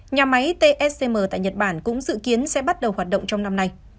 nhà máy tsm tại nhật bản cũng dự kiến sẽ bắt đầu hoạt động trong năm nay